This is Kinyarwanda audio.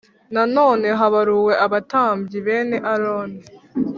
Nanone habaruwe abatambyi bene Aroni